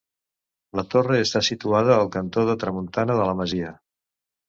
La torre està situada al cantó de tramuntana de la masia.